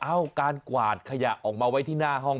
เอ้าการกวาดขยะออกมาไว้ที่หน้าห้อง